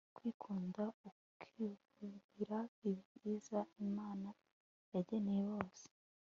kwikunda ukikubira ibyiza imana yageneye bose